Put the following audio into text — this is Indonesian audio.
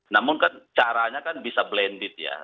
namun kan caranya kan bisa blended ya